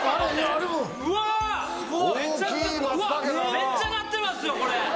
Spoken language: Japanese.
めっちゃなってますよ。